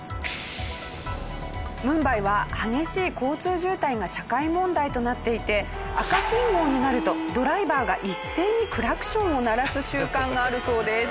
ムンバイは激しい交通渋滞が社会問題となっていて赤信号になるとドライバーが一斉にクラクションを鳴らす習慣があるそうです。